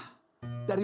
dan kita akan mencari